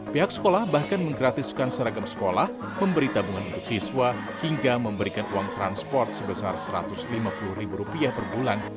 pihak sekolah bahkan menggratiskan seragam sekolah memberi tabungan untuk siswa hingga memberikan uang transport sebesar rp satu ratus lima puluh per bulan